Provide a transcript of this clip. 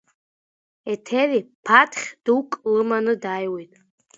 Еҭери ԥаҭхь дук лыманы дааиуеит.